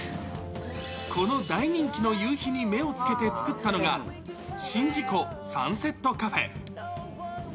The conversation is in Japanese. この大人気の夕日に目をつけて作ったのが、宍道湖サンセットカフェ。